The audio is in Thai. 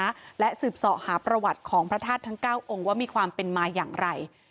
และสืบสอหาประวัติของพระธาตุทั้ง๙องค์ว่ามีความเป็นมาอย่างไร